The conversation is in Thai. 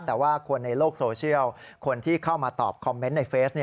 แต่ว่าคนในโลกโซเชียลคนที่เข้ามาตอบคอมเมนต์ในเฟซ